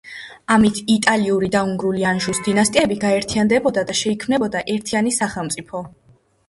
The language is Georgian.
ამით იტალიური და უნგრული ანჟუს დინასტიები გაერთიანდებოდა და შეიქმნებოდა ერთიანი სახელმწიფო.